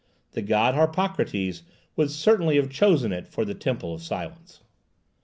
The god Harpocrates would certainly have chosen it for the Temple of Silence.